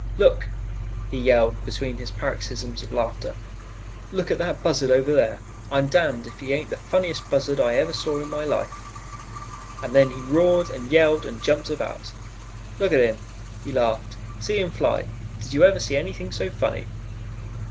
"'Look!' he yelled between his paroxysms of laughter, 'look at that buzzard over there! I'm damned if he ain't the funniest buzzard I ever saw in my life,' and then he roared and yelled and jumped about. 'Look at him,' he laughed; 'see him fly! did you ever see anything so funny?'